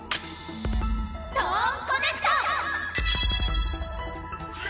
トーンコネクト！